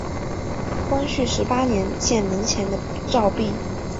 光绪十八年建门前的照壁。